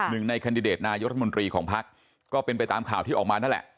ในแคนดิเดตนายกรัฐมนตรีของภักดิ์ก็เป็นไปตามข่าวที่ออกมานั่นแหละ